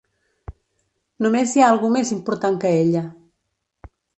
Només hi ha algú més important que ella.